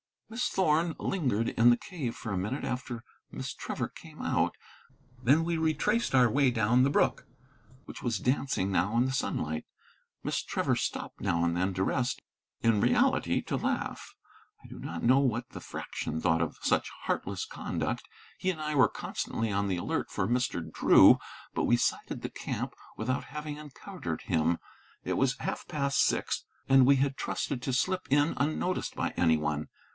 Miss Thorn lingered in the cave for a minute after Miss Trevor came out. Then we retraced our way down the brook, which was dancing now in the sunlight. Miss Trevor stopped now and then to rest, in reality to laugh. I do not know what the Fraction thought of such heartless conduct. He and I were constantly on the alert for Mr. Drew, but we sighted the camp without having encountered him. It was half past six, and we had trusted to slip in unnoticed by any one.